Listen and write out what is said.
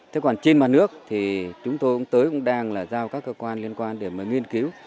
thế còn trên mặt nước thì chúng tôi cũng tới cũng đang là giao các cơ quan liên quan để mà nghiên cứu